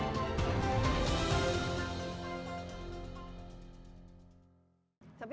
tidak ada lagi yang bisa diperhatikan